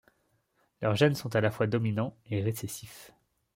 Leurs gènes sont à la fois dominants et récessifs.